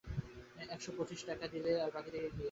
একশো পঁচিশ টাকা দিলে আর বাকী থাকে কী।